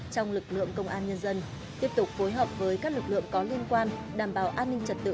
trong lực lượng công an nhân dân tiếp tục phối hợp với các lực lượng có liên quan đảm bảo an ninh trật tự